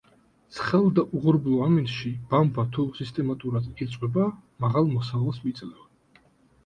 ცხელ და უღრუბლო ამინდში ბამბა, თუ სისტემატურად ირწყვება, მაღალ მოსავალს იძლევა.